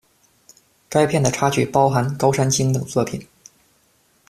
该片的插曲包含〈高山青〉等作品。